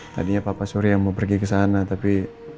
tadinya papa surya mau pergi ke sana tapi